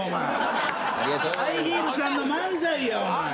ハイヒールさんの漫才や。